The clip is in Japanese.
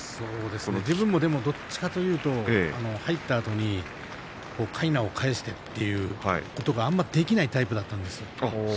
自分、どっちかというと入ったあとにかいなを返してということがあまりできないタイプだったんです。